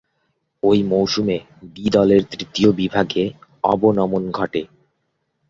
ঐ মৌসুমে বি দলের তৃতীয় বিভাগে অবনমন ঘটে।